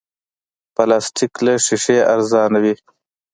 پلاستيک له شیشې ارزانه وي.